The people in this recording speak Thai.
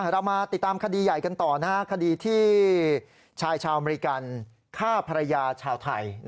เรามาติดตามคดีใหญ่กันต่อคดีที่ชายชาวอเมริกันฆ่าภรรยาชาวไทย